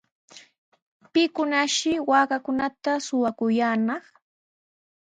¿Pikunashi waakankunata shuwakuyaanaq?